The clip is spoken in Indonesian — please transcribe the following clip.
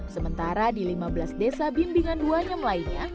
sementara di lima belas desa bimbingan duanyam lainnya